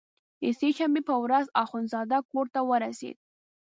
د سې شنبې په ورځ اخندزاده کورته ورسېد.